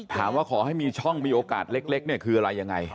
ขอให้มีช่องมีโอกาสเล็กเนี่ยคืออะไรยังไง